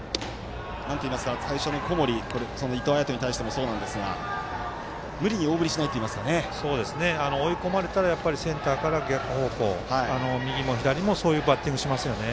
最初の小森、伊藤彩斗に対してもそうなんですが追い込まれたらセンターから逆方向右も左も、そういうバッティングしますよね。